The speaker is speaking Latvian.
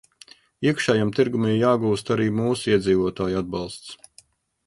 Iekšējam tirgum ir jāgūst arī mūsu iedzīvotāju atbalsts.